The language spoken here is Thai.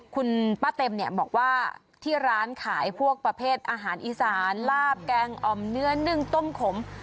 คุณป้าเต็มเนี่ยบอกว่าที่ร้านขายพวกประเภทอาหารอีสานลาบแกงอ่อมเนื้อนึ่งต้มขม